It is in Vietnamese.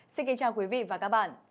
xin kính chào quý vị và các bạn